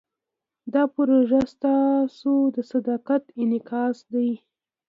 دا پروژه ستاسو د صداقت انعکاس دی.